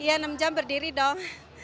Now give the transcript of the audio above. iya enam jam berdiri dong